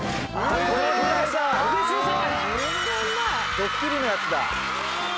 ドッキリのやつだ。